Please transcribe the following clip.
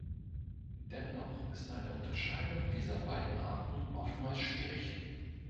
Dennoch ist eine Unterscheidung dieser beiden Arten oftmals schwierig.